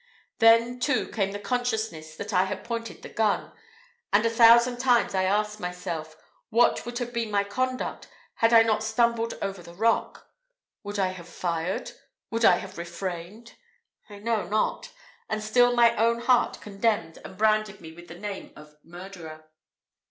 Then, too, came the consciousness that I had pointed the gun; and a thousand times I asked myself, what would have been my conduct had I not stumbled over the rock? Would I have fired? Would I have refrained? I know not; and still my own heart condemned me, and branded me with the name of murderer.